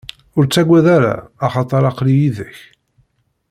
Ur ttagad ara, axaṭer aql-i yid-k.